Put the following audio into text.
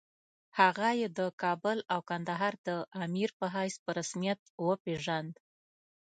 هغه یې د کابل او کندهار د امیر په حیث په رسمیت وپېژاند.